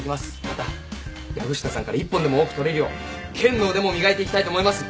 また藪下さんから一本でも多く取れるよう剣の腕も磨いていきたいと思います。